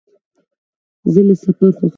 زه له سفر خوښېږم.